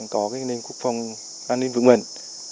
có cái nền quốc phòng an ninh vững mạnh